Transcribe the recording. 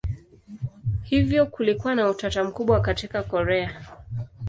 Hivyo kulikuwa na utata mkubwa katika Korea.